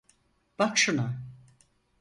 Bak şuna.